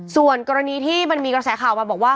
ส่วนกรณีที่มันมีกระแสข่าวมาบอกว่า